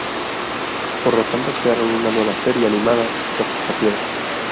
Por lo tanto, crearon una nueva serie animada: "Los Picapiedra".